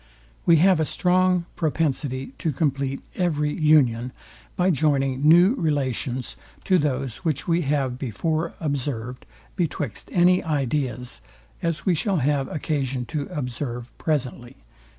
We have a strong propensity to compleat every union by joining new relations to those which we have before observed betwixt any ideas, as we shall have occasion to observe presently.